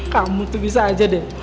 kamu tuh bisa aja deh